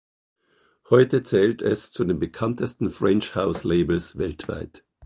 Heute zählt es zu den bekanntesten French House-Labels weltweit.